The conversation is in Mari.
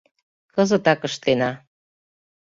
Кызытак ыштена...